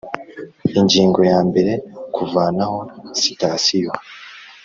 Ingingo ya mbere Kuvanaho sitasiyo